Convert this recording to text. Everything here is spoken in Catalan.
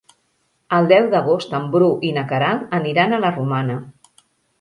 El deu d'agost en Bru i na Queralt aniran a la Romana.